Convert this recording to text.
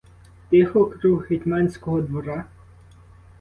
Тихо круг гетьманського двора.